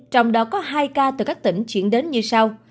trong đó có hai ca từ các tỉnh chuyển đến như sau